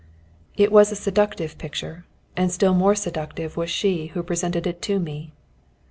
It was a seductive picture, and still more seductive was she who presented it to me.